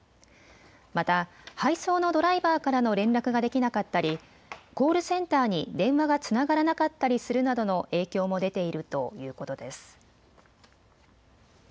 また配送のドライバーからの連絡ができなかったりコールセンターに電話がつながらなかったりするなどの影響も出ているということです。